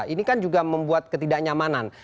ini kan juga membuat ketidaknyamanan